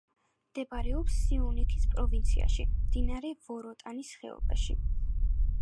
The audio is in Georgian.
მდებარეობს სიუნიქის პროვინციაში, მდინარე ვოროტანის ხეობაში.